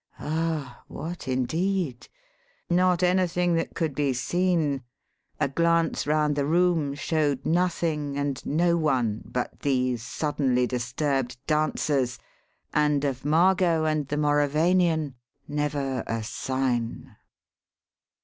Ah, what indeed? Not anything that could be seen. A glance round the room showed nothing and no one but these suddenly disturbed dancers, and of Margot and the Mauravanian never a sign.